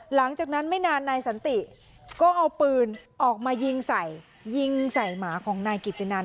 หลังจากนั้นไม่นานนายสันติก็เอาปืนออกมายิงใส่ยิงใส่หมาของนายกิตินัน